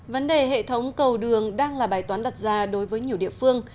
vấn đề hệ thống cầu đường đang là bài toán đặt ra đối với nhiều địa phương